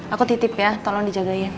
aku titip ya tolong dijaga ya